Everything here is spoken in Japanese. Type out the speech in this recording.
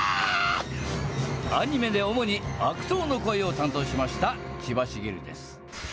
アニメで主に悪党の声を担当しました、千葉繁です。